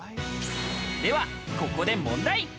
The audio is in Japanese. では、ここで問題。